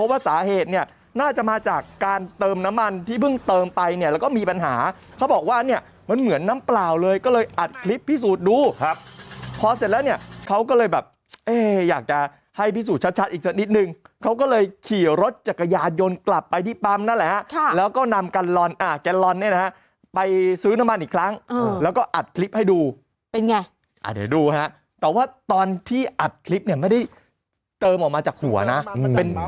พระอุตสาหรับพระอุตสาหรับพระอุตสาหรับพระอุตสาหรับพระอุตสาหรับพระอุตสาหรับพระอุตสาหรับพระอุตสาหรับพระอุตสาหรับพระอุตสาหรับพระอุตสาหรับพระอุตสาหรับพระอุตสาหรับพระอุตสาหรับพระอุตสาหรับพระอุตสาหรับพระอุตสาหรับพระอุตสาหรับพระอุตสาหรับพระอุตสาหรับพ